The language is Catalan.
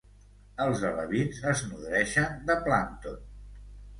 Els alevins es nodreixen de plàncton.